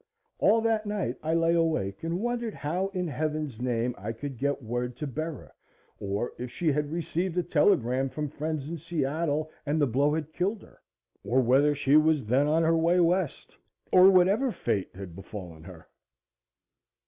All that night I lay awake and wondered how in Heaven's name I could get word to Bera or if she had received a telegram from friends in Seattle and the blow had killed her or whether she was then on her way West, or whatever fate had befallen her.